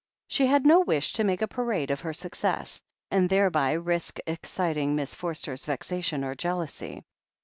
She had no wish to make a parade of her success, and thereby risk exciting Miss Forster's vexation or jealousy.